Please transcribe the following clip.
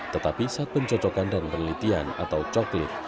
tetapi saat pencocokan dan penelitian atau coklik